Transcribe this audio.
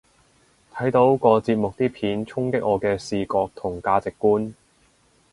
睇到個節目啲片衝擊我嘅視覺同價值觀